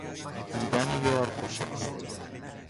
دیدن یار خوش است